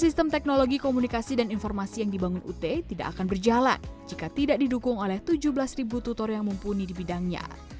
sistem teknologi komunikasi dan informasi yang dibangun ut tidak akan berjalan jika tidak didukung oleh tujuh belas tutor yang mumpuni di bidangnya